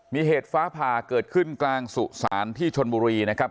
มีเหตุฟ้าผ่าเกิดขึ้นกลางสุสานที่ชนบุรีนะครับ